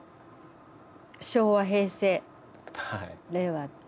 昭和平成令和って。